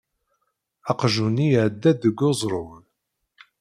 Aqjun-nni iεedda-d deg uzrug.